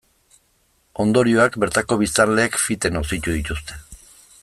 Ondorioak bertako biztanleek fite nozitu dituzte.